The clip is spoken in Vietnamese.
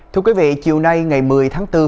thưa quý vị chiều nay ngày một mươi tháng bốn